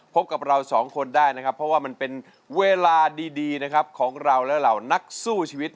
พบกับเราสองคนได้นะครับเพราะว่ามันเป็นเวลาดีนะครับของเราและเหล่านักสู้ชีวิต